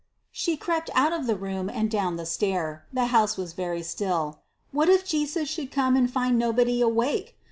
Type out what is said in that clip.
She crept out of the room and down the stair. The house was very still. What if Jesus should come and find nobody awake?